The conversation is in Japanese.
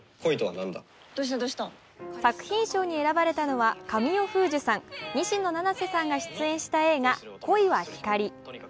作品賞に選ばれたのは神尾楓珠さん、西野七瀬さんが出演した映画「恋は光」。